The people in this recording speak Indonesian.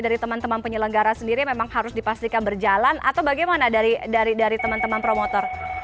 dari teman teman penyelenggara sendiri memang harus dipastikan berjalan atau bagaimana dari teman teman promotor